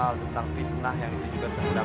rehman bodoh itu